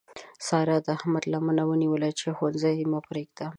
سارا د احمد لمنه ونیوله چې ښوونځی مه پرېږده.